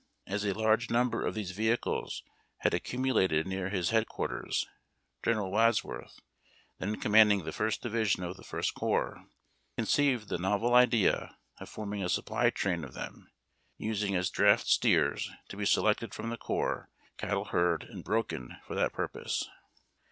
As a large number of these vehicles had accumulated near his head quarters, General Wadsworth, then commanding the first division of the First Corps, conceived the novel idea of forming a supply train of them, using as draft steers, to be selected from the corps cattle herd, and broken for that purpose.